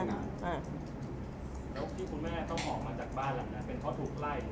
แล้วที่คุณแม่เขาออกมาจากบ้านหลังนั้น